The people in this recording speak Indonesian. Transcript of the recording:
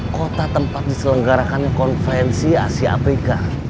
kota tempat diselenggarakannya konferensi asia afrika